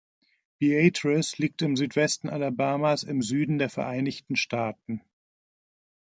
Beatrice liegt im Südwesten Alabamas im Süden der Vereinigten Staaten.